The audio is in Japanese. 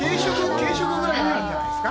軽食ぐらいなら、あるんじゃないですか？